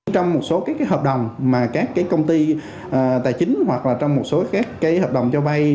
trong một số các hợp đồng mà các công ty tài chính hoặc là trong một số các hợp đồng cho vay